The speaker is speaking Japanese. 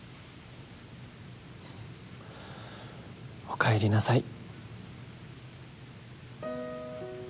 おかえりなさい。